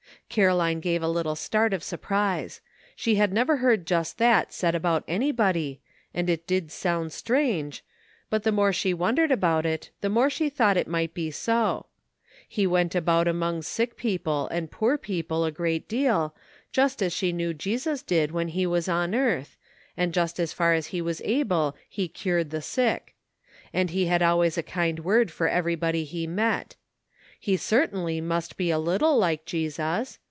Caroline gave a little start of surprise. She had never heard just that said about anybody, and it did sound strange, but the more she won dered about it the more she thought it might be MACHINES AND NEWS. 259 SO. He went about among sick people and poor people a great deal, just as she knew Jesus did when he was on earth, and just as far as he was able he cured the sick ; and he had always a kind word for everybody he met. He certainly must be a little like Jesus.